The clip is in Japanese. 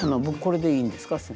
僕これでいいんですか？